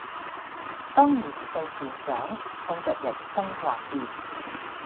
當年歲漸長，看著人生幻變